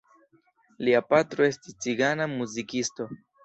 Lia patro estis cigana muzikisto.